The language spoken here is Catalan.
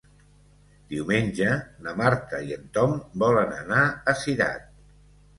Diumenge na Marta i en Tom volen anar a Cirat.